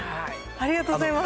ありがとうございます。